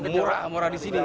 murah murah di sini